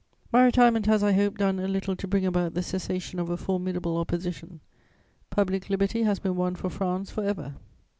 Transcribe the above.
My retirement has, I hope, done a little to bring about the cessation of a formidable opposition; public liberty has been won for France for ever.